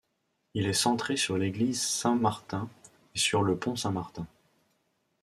Il est centré sur l'église Saint-Martin et sur le pont Saint-Martin.